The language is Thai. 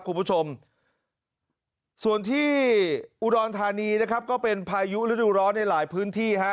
คุณผู้ชมส่วนที่อุดรธานีนะครับก็เป็นพายุฤดูร้อนในหลายพื้นที่ฮะ